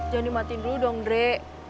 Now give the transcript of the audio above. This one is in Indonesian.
jangan nimatiin dulu dong dre